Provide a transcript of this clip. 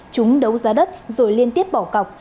chúng đấu giá đất rồi liên tiếp bỏ cọc